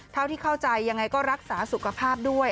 เท่าที่เข้าใจยังไงก็รักษาสุขภาพด้วย